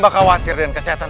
masuklah ke dalam